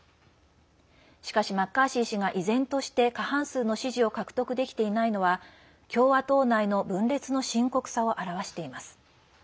しかし、マッカーシー氏が依然として過半数の支持を獲得できていないのは共和党内の分裂の深刻さを表しています。